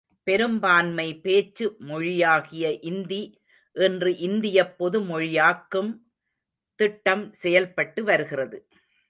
பெரும்பான்மை பேச்சு மொழியாகிய இந்தி இன்று இந்தியப் பொதுமொழியாக்கும் திட்டம் செயல்பட்டு வருகின்றது.